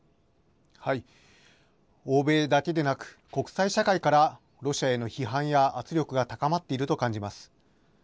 欧米だけでなく、国際社会からロシアへの批判や圧力が高まっていると感じます。